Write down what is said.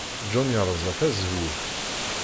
John yerẓa tazewwut.